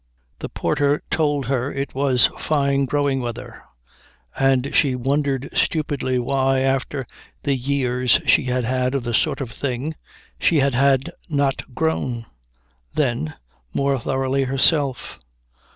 The porter told her it was fine growing weather, and she wondered stupidly why, after the years she had had of the sort of thing, she had had not grown, then, more thoroughly herself.